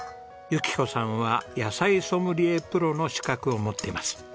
由紀子さんは野菜ソムリエプロの資格を持っています。